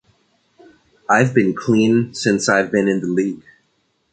I've been clean since I've been in the league.